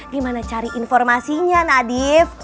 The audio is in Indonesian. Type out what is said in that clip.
di mana cari informasinya nadif